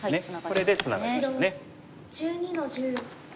これでツナがりましたね。